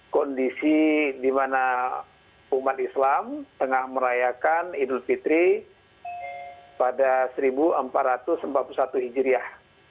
kondisi di mana umat islam tengah merayakan idul fitri pada seribu empat ratus empat puluh satu hijriah